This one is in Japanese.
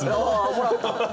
もらった。